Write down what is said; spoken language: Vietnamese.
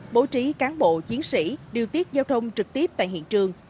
bố trí cán bộ chiến sĩ điều tiết giao thông trực tiếp tại hiện trường